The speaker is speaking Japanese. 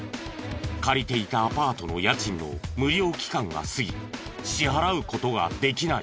借りていたアパートの家賃の無料期間が過ぎ支払う事ができない。